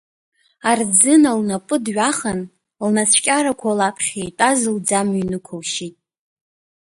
Арӡына лнапы дҩахан, лнацәкьарақәа лаԥхьа итәаз лӡамҩа инықәылшьит.